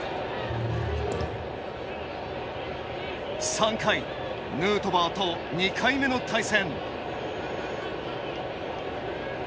３回ヌートバーと２回目の対戦。